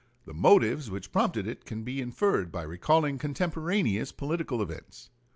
The motives which prompted it can be inferred by recalling contemporaneous political events.